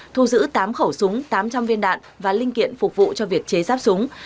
thu giữ tám khẩu súng tám trăm linh viên đạn và linh kiện phục vụ cho việc chế ráp súng